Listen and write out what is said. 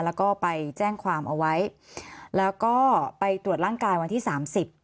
แล้วก็ไปแจ้งความเอาไว้แล้วก็ไปตรวจร่างกายวันที่สามสิบ